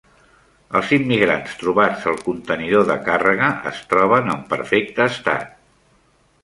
Els immigrants trobats al contenidor de càrrega es troben en perfecte estat